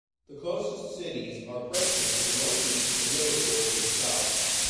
The closest cities are Preston to the north east and Liverpool to the south.